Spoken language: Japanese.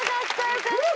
よかった。